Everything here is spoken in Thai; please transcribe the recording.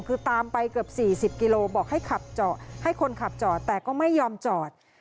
คือตามไปเกือบ๔๐กิโลบอกให้ขับให้คนขับจอดแต่ก็ไม่ยอมจอด